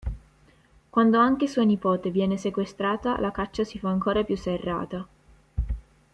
Quando anche sua nipote viene sequestrata la caccia si fa ancora più serrata.